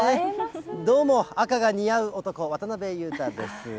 どうも、赤が似合う男、渡辺裕太です。